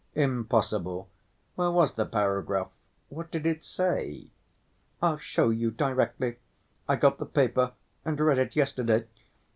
"Impossible! Where was the paragraph? What did it say?" "I'll show you directly. I got the paper and read it yesterday.